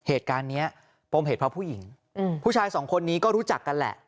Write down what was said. เหตุการณ์เนี้ยปมเหตุเพราะผู้หญิงผู้ชายสองคนนี้ก็รู้จักกันแหละ